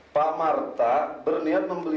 pak marta berniat membeli